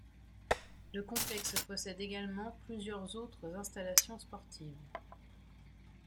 Le complexe possède également plusieurs autres installations sportives.